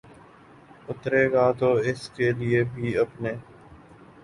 اترے گا تو اس کے لیے بھی اپنے